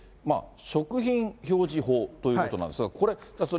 食品表示法ということなんですが、これ。